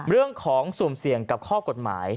เรื่องของสุ่มเสี่ยงกับข้อกฎหมาย